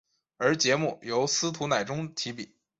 而节目由司徒乃钟题笔。